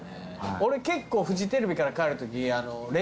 俺結構フジテレビから帰るとき。